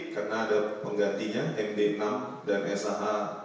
karena ada penggantinya md enam dan sh lima ratus dua belas